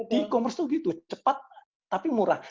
di e commerce itu gitu cepat tapi murah